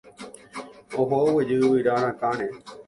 Oho oguejy yvyra rakãre